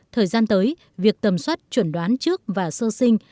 thời gian tới việc tầm soát chuẩn đoán trước và sơ sinh